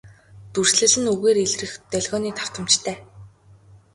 Дүрслэл нь үгээр илрэх долгионы давтамжтай.